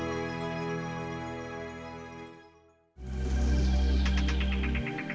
sampai jumpa di video selanjutnya